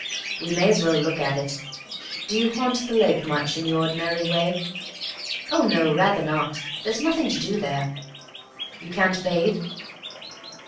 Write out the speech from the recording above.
"We may as well look at it. Do you haunt the lake much in the ordinary way?" "Oh, no, rather not. There's nothing to do there." "You can't bathe?"